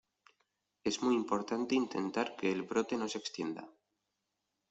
es muy importante intentar que el brote no se extienda.